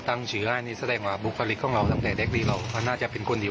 ตั้งชื่ออ่านี่แสดงว่าบุคลิกของเราตั้งแต่เรามันน่าจะเป็นคนดี